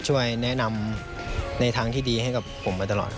แล้วเขาก็ช่วยแนะนำในทางที่ดีให้กับผมไปตลอด